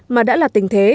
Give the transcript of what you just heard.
mà đã là tình thế